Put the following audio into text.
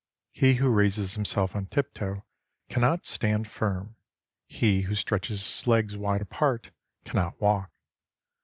He who raises himself on tiptoe cannot stand firm ; he who stretches his legs wide apart cannot walk.